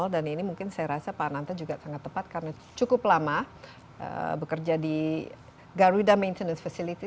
dan ini mungkin saya rasa pak ananta juga sangat tepat karena cukup lama bekerja di garuda maintenance facility